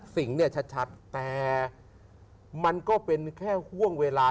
สิ่งเนี่ยชัดแต่มันก็เป็นแค่ห่วงเวลา